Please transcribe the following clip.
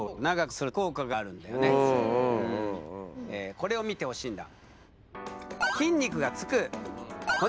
これを見てほしいんだ。